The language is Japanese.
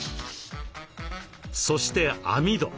そして網戸。